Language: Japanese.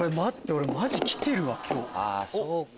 俺マジきてるわ今日！